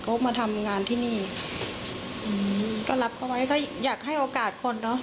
เขามาทำงานที่นี่อืมก็รับเขาไว้ก็อยากให้โอกาสคนเนอะ